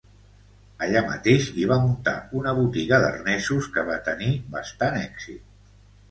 Allà mateix hi va muntar una botiga d'arnesos que va tenir bastant èxit.